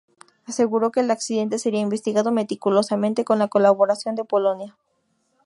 Aseguró que el accidente sería investigado meticulosamente con la colaboración de Polonia.